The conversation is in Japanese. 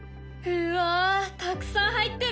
うわたくさん入ってる！